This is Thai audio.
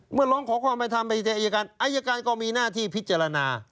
ร้องขอความเป็นธรรมไปอายการอายการก็มีหน้าที่พิจารณา